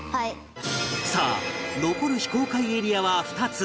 さあ残る非公開エリアは２つ